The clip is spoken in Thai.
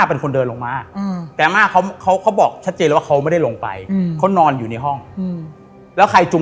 ก็คืออิกเหมือนเขาเริ่มจะรู้แล้วว่า